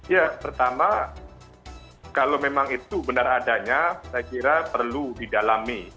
ya pertama kalau memang itu benar adanya saya kira perlu didalami